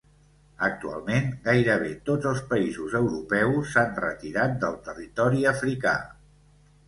Actualment, gairebé tots els països europeus s'han retirat del territori africà.